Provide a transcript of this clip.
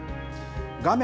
画面